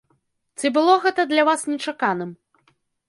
Ці было гэта для вас нечаканым?